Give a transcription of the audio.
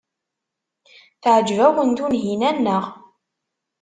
Teɛjeb-awen Tunhinan, naɣ?